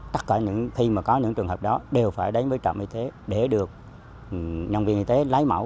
tất cả khi mà có những trường hợp đó đều phải đến với trạm y tế để được nhân viên y tế lấy mẫu